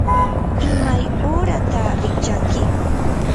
¿imay uurataq rikchanki?